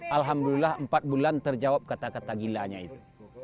alhamdulillah empat bulan terjawab kata kata gilanya itu